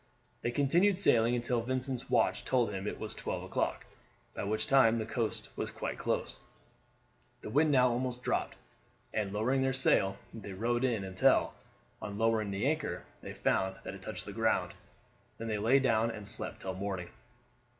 They continued sailing until Vincent's watch told him it was twelve o'clock, by which time the coast was quite close. The wind now almost dropped, and, lowering their sail, they rowed in until, on lowering the anchor, they found that it touched the ground. Then they lay down and slept till morning.